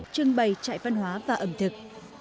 trưng bày trại văn hóa và ẩm thực